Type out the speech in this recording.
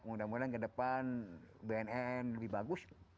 mudah mudahan ke depan bnn lebih bagus